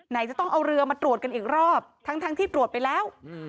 ไหนจะต้องเอาเรือมาตรวจกันอีกรอบทั้งที่ตรวจไปแล้ว